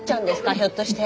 ひょっとして。